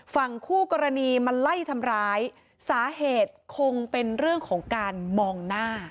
ฝั่งคู่กรณีมาไล่ทำร้ายสาเหตุคงเป็นเรื่องของการมองหน้า